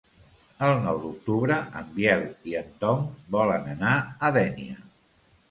El nou d'octubre en Biel i en Tom volen anar a Dénia.